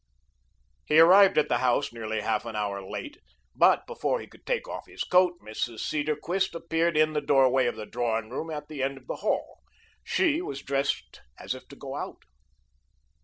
He arrived at the house nearly half an hour late, but before he could take off his overcoat, Mrs. Cedarquist appeared in the doorway of the drawing room at the end of the hall. She was dressed as if to go out.